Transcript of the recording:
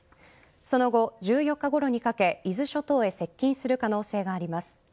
その後、１４日ごろにかけ伊豆諸島へ接近する可能性があります。